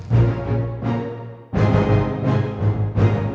jadi kita harus mencoba